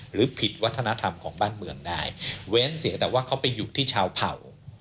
หรือผิดวัฒนธรรมของบ้านเมืองได้เว้นเสียแต่ว่าเขาไปหยุดที่ชาวเผ่า